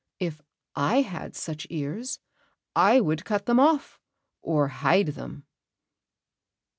If I had such ears, I would cut them off, or hide them."